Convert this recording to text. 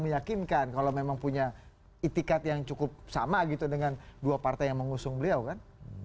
meyakinkan kalau memang punya itikat yang cukup sama gitu dengan dua partai yang mengusung beliau kan